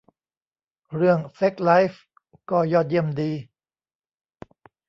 เรื่องเซ็กส์ไลฟ์ก็ยอดเยี่ยมดี